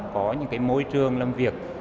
có những môi trường làm việc